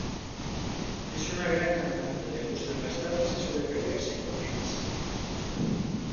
Es una gran cantante, le gustan las tartas y suele pelearse con Eris.